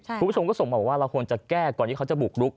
คุณผู้ชมก็ส่งมาบอกว่าเราควรจะแก้ก่อนที่เขาจะบุกรุก